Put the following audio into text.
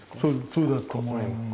そうだと思います。